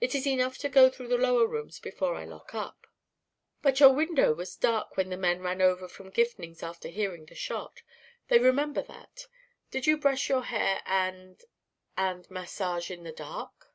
It is enough to go through the lower rooms before I lock up." "But your window was dark when the men ran over from Gifning's after hearing the shot. They remember that. Do you brush your hair and and massage in the dark?"